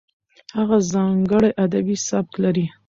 هغه ځانګړی ادبي سبک لري.